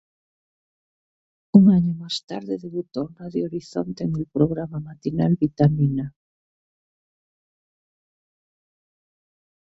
Un año más tarde debutó en Radio Horizonte en el programa matinal "Vitamina".